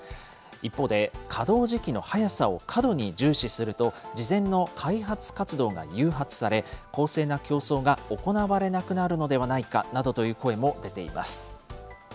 一方で、稼働時期の早さを過度に重視すると、事前の開発活動が誘発され、公正な競争が行われなくなるのではないかなどという声も出ています。